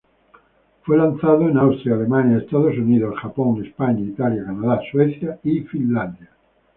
Fue lanzado en Austria, Alemania, Estados Unidos, Japón, España, Italia, Canadá, Suecia y Finlandia.